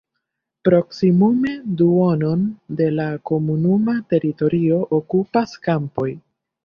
Proksimume duonon de la komunuma teritorio okupas kampoj.